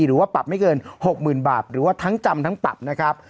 หรือว่าปรับไม่เกิน๖๐๐๐บาทหรือว่าทั้งจำทั้งปรับนะครับ